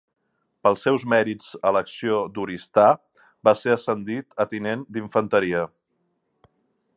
Pels seus mèrits a l'acció d'Oristà va ser ascendit a tinent d'Infanteria.